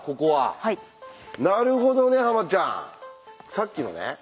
さっきのね